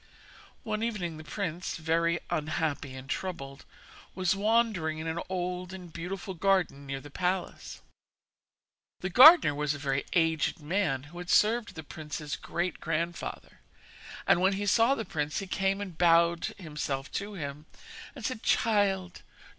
One evening the prince, very unhappy and troubled, was wandering in an old and beautiful garden near the palace. The gardener was a very aged man, who had served the prince's great grandfather; and when he saw the prince he came and bowed himself to him, and said: 'Child!